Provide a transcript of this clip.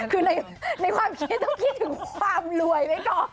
คือในความคิดต้องคิดถึงความรวยไว้ก่อน